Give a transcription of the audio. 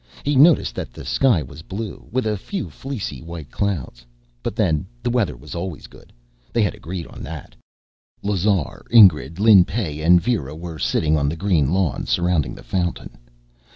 He noticed that the sky was blue, with a few fleecy white clouds. But then, the weather was always good. They had agreed on it. Lazar, Ingrid, Lin Pey and Vera were sitting on the green lawn surrounding the fountain.